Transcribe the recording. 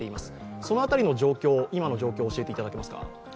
そのあたりの今の状況教えていただけますか？